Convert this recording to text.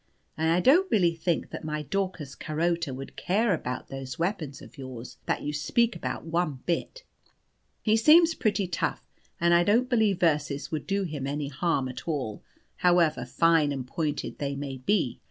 And I don't really think that my Daucus Carota would care about those weapons of yours that you speak about one bit. He seems pretty tough, and I don't believe verses would do him any harm at all, however fine and pointed they might be.